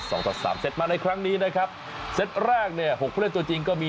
เซ็ตมาในครั้งนี้นะครับเซ็ตแรกเนี่ย๖เพื่อนตัวจริงก็มี